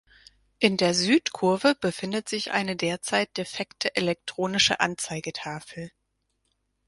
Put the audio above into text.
In der Südkurve befindet sich eine derzeit defekte elektronische Anzeigetafel.